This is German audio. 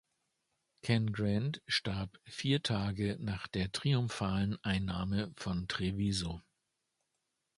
Cangrande starb vier Tage nach der triumphalen Einnahme von Treviso.